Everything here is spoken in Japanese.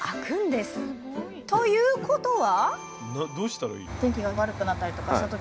ということは！